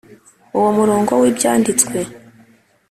Uwo murongo w Ibyanditswe